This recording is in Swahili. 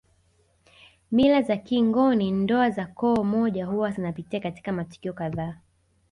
Mila za kingoni ndoa za koo moja huwa zinapitia katika matukio kadhaa